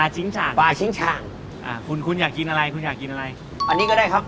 ใช่ปรามะอะไรมะอะไร